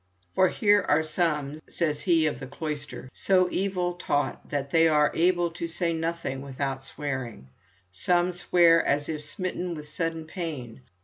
"For there are some," says he of the cloister, "so evil taught that they are able to say nothing without swearing. Some swear as if smitten with sudden pain.